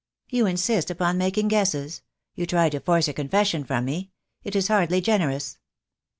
You insist upon making guesses. You try to force a confession from me. It is hardly generous."